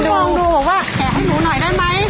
มองดูบอกว่าแกะให้หนูหน่อยได้ไหม